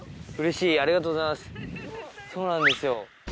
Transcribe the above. そうなんですよ。